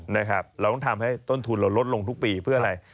เราต้องทำให้ต้นทุนเราลดลงทุกปีเพื่ออะไร